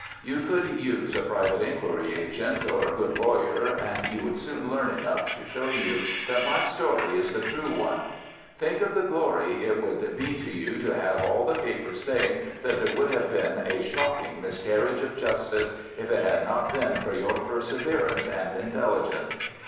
You could use a private inquiry agent or a good lawyer, and you would soon learn enough to show you that my story is the true one. Think of the glory it would be to you to have all the papers saying that there would have been a shocking miscarriage of justice if it had not been for your perseverance and intelligence!